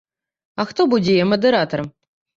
А хто будзе яе мадэратарам?